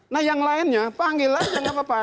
nah yang lainnya panggil aja nggak apa apa